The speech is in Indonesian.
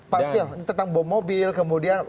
pasti ya tentang bawa mobil kemudian